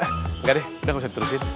enggak deh udah gak usah diterusin